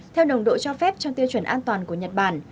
theo nồng độ cho phép trong tiêu chuẩn an toàn của nhật bản